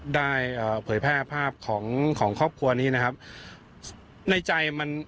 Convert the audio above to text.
ได้เอ่อเผยแพร่ภาพของของครอบครัวนี้นะครับในใจมัน